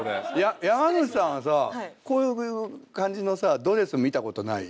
山之内さんはさこういう感じのドレス見たことない？